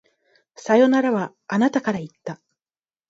さよならは、あなたから言った。